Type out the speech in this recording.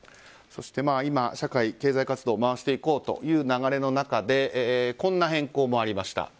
そして今、社会、経済活動を回していこうという流れの中でこんな変更もありました。